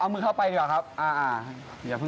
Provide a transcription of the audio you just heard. เอามือเข้าไปดีกว่าครับ